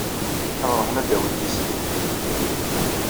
Ad ruḥen ad d-awin tislit.